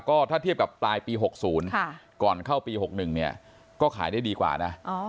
ก็ถ้าเทียบกับปลายปี๖๐ก่อนเข้าปี๖๑เนี่ยก็ขายได้ดีกว่านะ